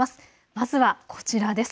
まずはこちらです。